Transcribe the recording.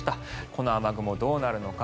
この雨雲どうなるのか。